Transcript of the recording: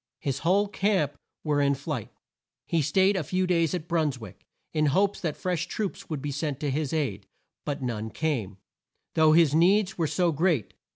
His whole camp were in flight. He staid a few days at New Bruns wick, in hopes that fresh troops would be sent to his aid, but none came, though his needs were so great.